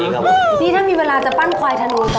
นี่ถ้ามีเวลาจะปั้นควายธนูต่อ